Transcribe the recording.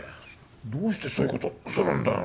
どうしてそういうことするんだ。